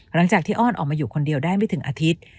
หลังจากที่อ้อนออกมาอยู่คนเดียวได้ไม่ถึงอาทิตย์